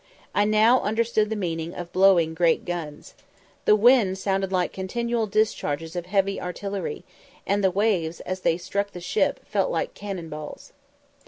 I now understood the meaning of "blowing great guns." The wind sounded like continual discharges of heavy artillery, and the waves, as they struck the ship, felt like cannon balls.